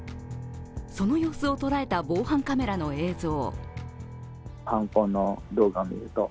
その様子を捉えた防犯カメラの映像。